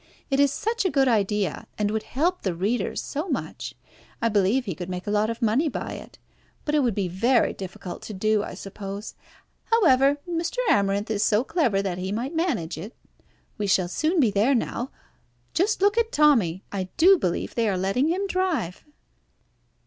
It is such a good idea, and would help the readers so much. I believe he could make a lot of money by it, but it would be very difficult to do, I suppose. However, Mr. Amarinth is so clever that he might manage it. We shall soon be there now. Just look at Tommy! I do believe they are letting him drive."